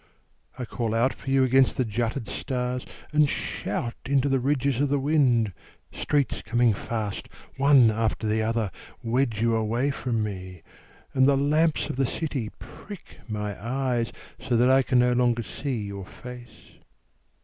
I call out for you against the jutted stars And shout into the ridges of the wind. Streets coming fast, One after the other, Wedge you away from me, And the lamps of the city prick my eyes So that I can no longer see your face.